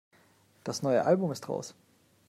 Das neue Album ist raus.